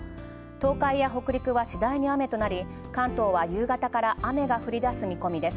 東海や北陸はしだいに雨となり関東は夕方から雨が降りだす見込みです。